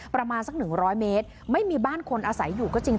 ประมาณสัก๑๐๐เมตรไม่มีบ้านคนอาศัยอยู่ก็จริง